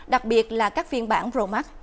đặc biệt là các phiên bản pro max